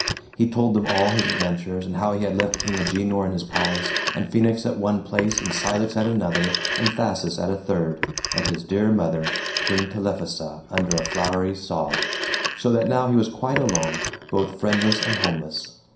He told them all his adventures, and how he had left King Agenor in his palace, and Phoenix at one place, and Cilix at another, and Thasus at a third, and his dear mother, Queen Telephassa, under a flowery sod; so that now he was quite alone, both friendless and homeless.